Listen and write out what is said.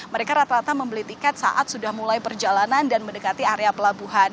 mereka rata rata membeli tiket saat sudah mulai perjalanan dan mendekati area pelabuhan